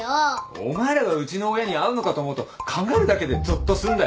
お前らがうちの親に会うのかと思うと考えるだけでぞっとすんだよ！